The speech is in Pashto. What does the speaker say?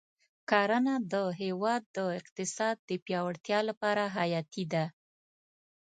کرنه د هېواد د اقتصاد د پیاوړتیا لپاره حیاتي ده.